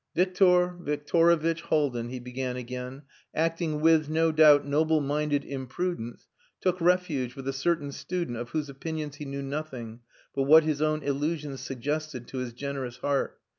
"Victor Victorovitch Haldin," he began again, "acting with, no doubt, noble minded imprudence, took refuge with a certain student of whose opinions he knew nothing but what his own illusions suggested to his generous heart.